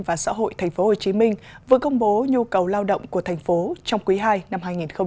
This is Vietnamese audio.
và xã hội tp hcm vừa công bố nhu cầu lao động của thành phố trong quý ii năm hai nghìn hai mươi